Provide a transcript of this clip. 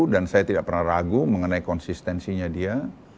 dan saya tidak pernah ragu mengenai konsistensinya dia